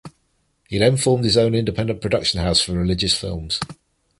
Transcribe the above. He then formed his own independent production house for religious films.